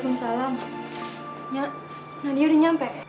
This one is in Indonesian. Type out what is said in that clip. nya nya udah sampai